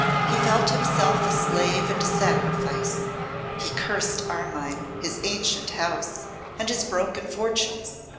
He felt himself a slave and a sacrifice. He cursed Armine, his ancient house, and his broken fortunes.